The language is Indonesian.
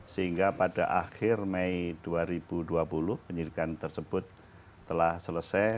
sehingga pada akhir mei dua ribu dua puluh penyidikan tersebut telah selesai